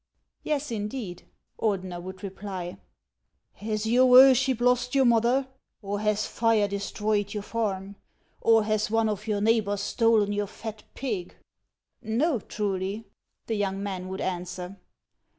" Yes, indeed," Ordener would reply. 304 HANS OF ICELAND. " Has your worship lost your mother, or has tire de stroyed your farm, or has one of your neighbors stolen your fat pig ?"" No, truly," the young man would answer.